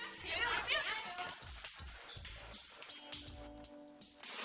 ya yaudah yaudah yaudah